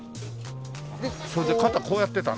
それで肩こうやってたな。